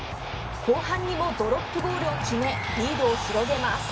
後半にもドロップゴールを決めリードを広げます。